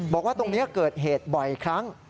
บอกว่าตรงนี้เกิดเหตุบ่อยครั้ง